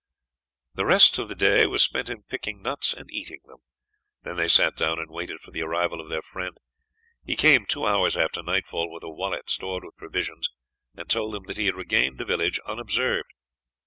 The rest of the day was spent in picking nuts and eating them. Then they sat down and waited for the arrival of their friend. He came two hours after nightfall with a wallet stored with provisions, and told them that he had regained the village unobserved.